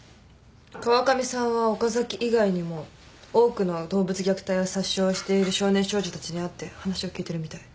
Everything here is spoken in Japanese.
川上さんは岡崎以外にも多くの動物虐待や殺傷をしている少年少女たちに会って話を聞いてるみたい。